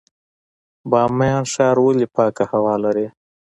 بامیان ښار ولې پاکه هوا لري؟